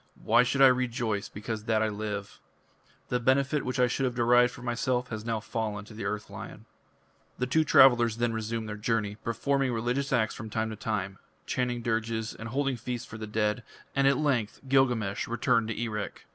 Why should I rejoice because that I live? The benefit which I should have derived for myself has now fallen to the Earth Lion." The two travellers then resumed their journey, performing religious acts from time to time; chanting dirges and holding feasts for the dead, and at length Gilgamesh returned to Erech.